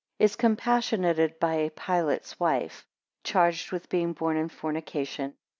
2 Is compassionated by Pilate's wife, 7 charged with being born in fornication.